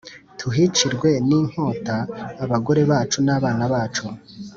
tuhicirwe n inkota Abagore bacu n abana bacu